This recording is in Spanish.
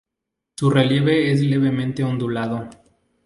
Su relieve es levemente ondulado.